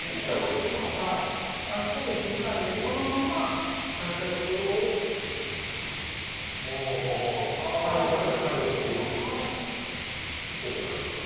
まっすぐ引いたんで、このまま足したところをパウダーで描いていく。